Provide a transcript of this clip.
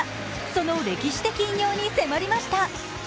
その歴史的偉業に迫りました。